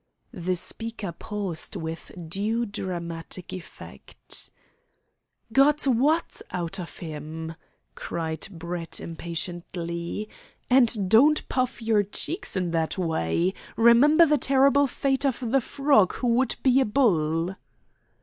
The speaker paused with due dramatic effect. "Got what out of him?" cried Brett impatiently. "And don't puff your cheeks in that way. Remember the terrible fate of the frog who would be a bull."